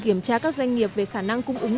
kiểm tra các doanh nghiệp về khả năng cung ứng